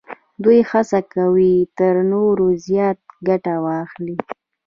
دوی هڅه کوي تر نورو زیاته ګټه واخلي